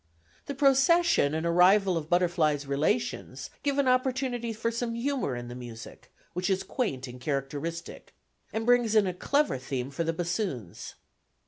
The procession and arrival of Butterfly's relations give an opportunity for some humour in the music, which is quaint and characteristic, and brings in a clever theme for the bassoons.